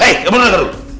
hei kamu dengar dulu